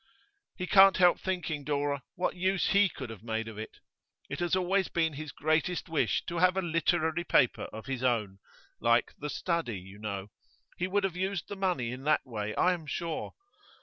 'He can't help thinking, Dora, what use he could have made of it. It has always been his greatest wish to have a literary paper of his own like The Study, you know. He would have used the money in that way, I am sure.